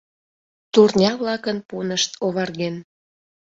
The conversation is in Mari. Турня-влакын пунышт оварген.